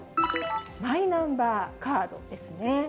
マイナンバーカードですね。